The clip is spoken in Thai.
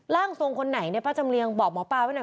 ร่างทรงคนไหนเนี่ยป้าจำเรียงบอกหมอปลาไว้หน่อย